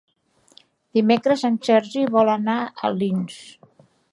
Dimecres en Sergi vol anar a Alins.